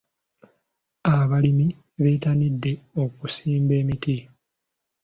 Abalimi bettanidde okusimba emiti.